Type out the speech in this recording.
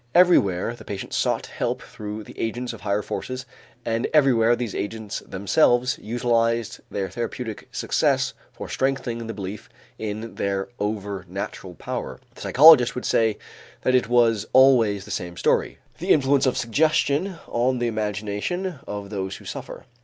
Everywhere the patient sought help through the agents of higher forces and everywhere these agents themselves utilized their therapeutic success for strengthening the belief in their over natural power. The psychologist would say that it was always the same story, the influence of suggestion on the imagination of those who suffer.